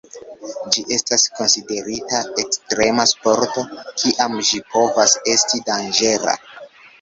Ĝi estas konsiderita ekstrema sporto, kiam ĝi povas esti danĝera.